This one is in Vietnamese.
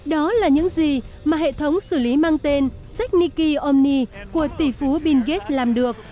đó là những gì mà hệ thống xử lý mang tên zecniki omni của tỷ phú bill gates làm được